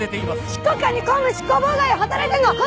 執行官に公務執行妨害を働いてるのはこの現場です！